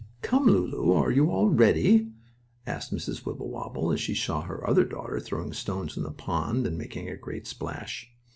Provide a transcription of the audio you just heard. "Come, Lulu, are you all ready?" asked Mrs. Wibblewobble, as she saw her other daughter throwing stones in the pond, and making a great splash.